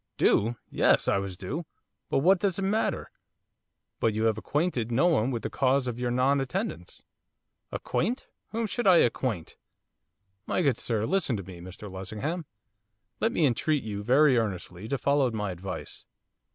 'Due! Yes, I was due, but what does it matter?' 'But have you acquainted no one with the cause of your non attendance?' 'Acquaint! whom should I acquaint?' 'My good sir! Listen to me, Mr Lessingham. Let me entreat you very earnestly, to follow my advice.